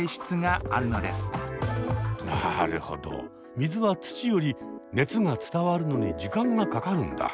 水は土より熱が伝わるのに時間がかかるんだ。